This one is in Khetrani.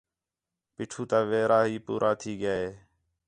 پیٹھو تا ویرا ہی پورا تھی ڳِیا